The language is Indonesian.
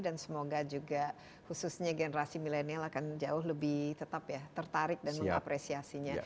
dan semoga juga khususnya generasi milenial akan jauh lebih tetap ya tertarik dan mengapresiasinya